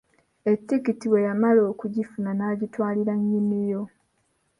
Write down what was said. Ettikiti bwe yamala okugifuna, n'agitwalira nnyini yo.